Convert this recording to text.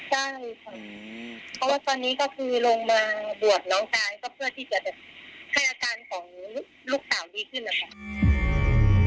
เพราะว่าตอนนี้ก็พูดลงมาบวนน้องชาย